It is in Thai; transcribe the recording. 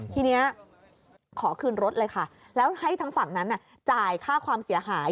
ทีนี้ขอคืนรถเลยค่ะแล้วให้ทางฝั่งนั้นจ่ายค่าความเสียหาย